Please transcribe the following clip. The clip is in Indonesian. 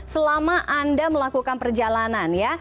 selama anda melakukan perjalanan